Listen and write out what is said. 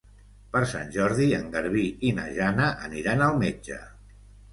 Per Sant Jordi en Garbí i na Jana aniran al metge.